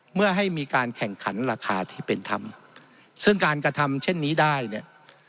เมื่อให้มีการแข่งขันราคาที่เป็นธรรมซึ่งการกระทำเช่นนี้ได้เนี่ย